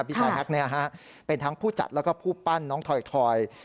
พี่ชายแฮ็กเป็นทั้งผู้จัดแล้วก็ผู้ปั้นน้องถอย